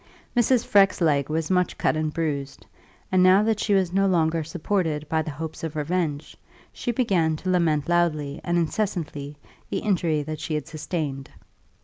Mrs. Freke's leg was much cut and bruised; and now that she was no longer supported by the hopes of revenge, she began to lament loudly and incessantly the injury that she had sustained.